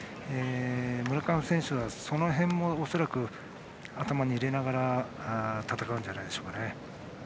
村上選手はその辺も恐らく頭に入れながら戦うんじゃないでしょうか。